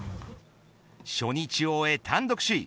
初日を終え単独首位。